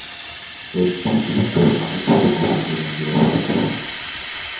এর ঠিক উত্তর পাশে ছোট গোবিন্দ মন্দির অবস্থিত।